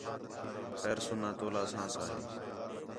خیر سُنّا تولا اساں سا ہِے